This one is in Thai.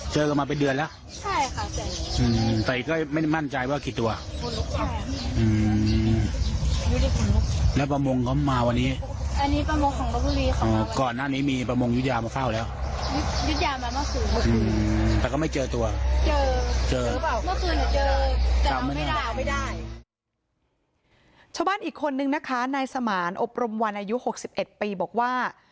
ชาวบ้านอีกคนนึงนะคะนายสมานอบรมวันอายุ๖๑ปีบอกว่า